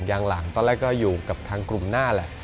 อย่างหลังตอนแรกก็อยู่กับทางกลุ่มหน้าแหละ